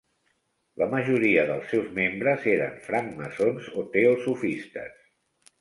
La majoria dels seus membres eren francmaçons o teosofistes.